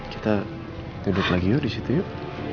kita duduk lagi yuk di situ yuk